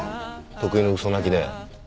得意の嘘泣きで。